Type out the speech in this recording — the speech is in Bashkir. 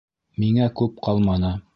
Миңә күп ҡалманы.